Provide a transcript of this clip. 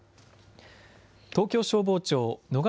東京消防庁野方